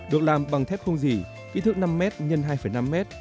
được làm bằng thép không dỉ kích thước năm m x hai năm m